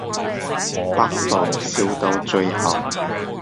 百度笑到最後